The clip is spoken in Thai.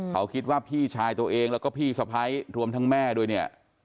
เขาคิดว่าพี่ชายตัวเองแล้วก็พี่สะพ้ายรวมทั้งแม่ด้วยเนี่ย